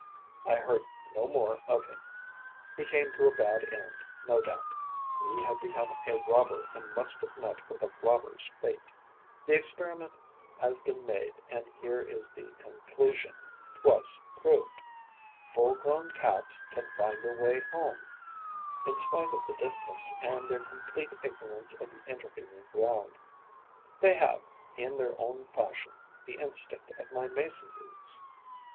I heard no more of him. He came to a bad end, no doubt: he had become a robber and must have met with a robber's fate. The experiment has been made and here is the conclusion, twice proved. Full grown Cats can find their way home, in spite of the distance and their complete ignorance of the intervening ground. They have, in their own fashion, the instinct of my Mason bees.